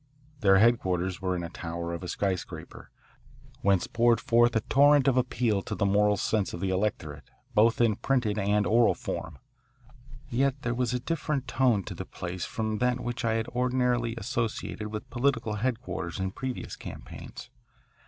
Their headquarters were in a tower of a skyscraper, whence poured forth a torrent of appeal to the moral sense of the electorate, both in printed and oral form. Yet there was a different tone to the place from that which I had ordinarily associated with political headquarters in previous campaigns.